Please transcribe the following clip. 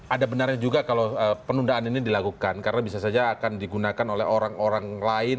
ada benarnya juga kalau penundaan ini dilakukan karena bisa saja akan digunakan oleh orang orang lain